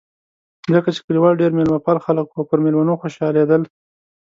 ځکه چې کلیوال ډېر مېلمه پال خلک و او پر مېلمنو خوشحالېدل.